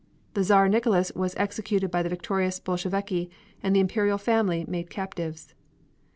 The Czar Nicholas was executed by the victorious Bolsheviki and the Imperial family made captives.